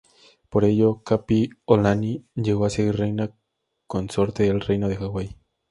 Por ello, Kapiʻolani llegó a ser Reina consorte del Reino de Hawái.